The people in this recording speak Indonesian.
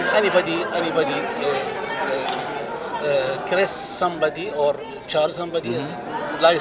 dan siapa pun yang menyerah atau menyalahkan seseorang mereka menyalahkan